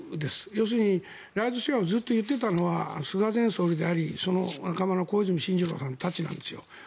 要するにライドシェアをずっと言っていたのは菅前総理でありその仲間の小泉進次郎さんたちなんですよ。